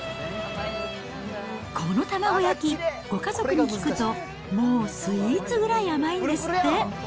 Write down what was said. この卵焼き、ご家族に聞くと、もうスイーツぐらい甘いんですって。